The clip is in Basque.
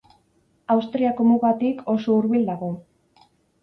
Austriako mugatik oso hurbil dago.